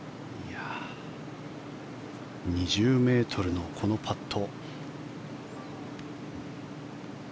２０ｍのこのパット。